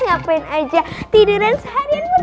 ngapain aja tiduran seharian pun